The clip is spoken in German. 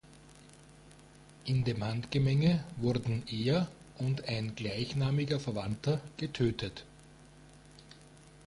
In dem Handgemenge wurden er und ein gleichnamiger Verwandter getötet.